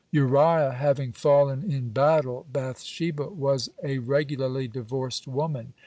Uriah having fallen in battle, Bath sheba was a regularly divorced woman.